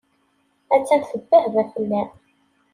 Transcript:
Attan tebbehba fell-am.